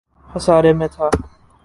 خسارے میں تھا